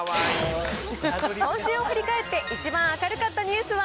今週を振り返って一番明るかったニュースは？